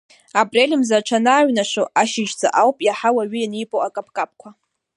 Апрель мза аҽанааиҩнашо ашьыжьӡа ауп иаҳа уаҩы ианибо акаԥкаԥқәа.